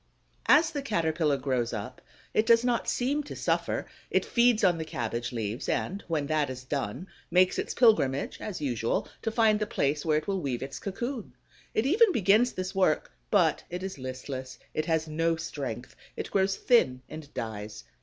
As the Caterpillar grows up, it does not seem to suffer; it feeds on the cabbage leaves and, when that is done, makes its pilgrimage as usual to find the place where it will weave its cocoon. It even begins this work; but it is listless, it has no strength; it grows thin and dies.